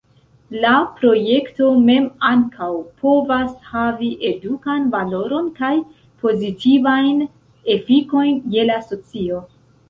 La projekto mem ankaŭ povas havi edukan valoron kaj pozitivajn efikojn je la socio.